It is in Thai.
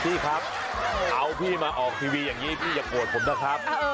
พี่ครับเอาพี่มาออกทีวีอย่างนี้พี่อย่าโกรธผมนะครับ